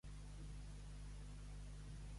Eixir amb els bonics.